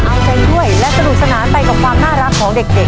เอาใจด้วยและสนุกสนานไปกับความน่ารักของเด็ก